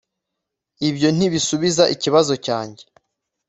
ibyo ntibisubiza ikibazo cyanjye